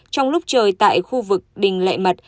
trong lúc trời tại khu vực đình lệ mật